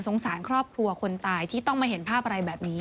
สารครอบครัวคนตายที่ต้องมาเห็นภาพอะไรแบบนี้